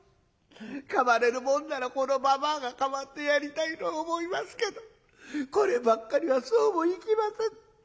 代われるもんならこのばばあが代わってやりたいと思いますけどこればっかりはそうもいきません。